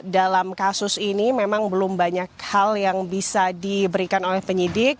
dalam kasus ini memang belum banyak hal yang bisa diberikan oleh penyidik